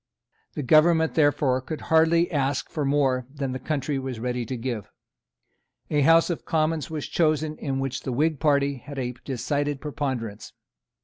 The government therefore could hardly ask for more than the country was ready to give. A House of Commons was chosen in which the Whig party had a decided preponderance.